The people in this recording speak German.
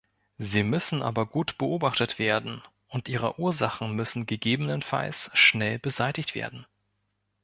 Sie müssen aber gut beobachtet werden, und ihre Ursachen müssen gegebenenfalls schnell beseitigt werden.